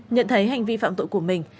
nhận thấy hành vi phạm tội của mình